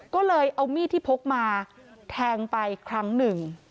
ก็เลยเอามีดที่พกมาแทงไปครั้งหนึ่ง